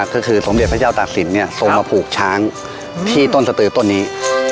ก็คือสมเด็จพระเจ้าตากศิลป์ทรงมาผูกช้างที่ต้นสตือต้นนี้